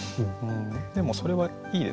でもそれはいいですね。